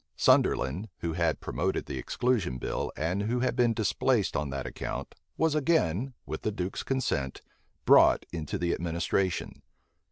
Sunderland, who had promoted the exclusion bill, and who had been displaced on that account, was again, with the duke's consent, brought into the administration.